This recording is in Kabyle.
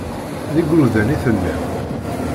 D igrudan i tellam.